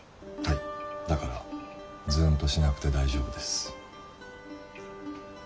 はいだからズンとしなくて大丈夫です。